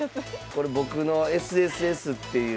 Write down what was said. これ僕のＳＳＳっていうね